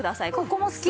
ここも好き。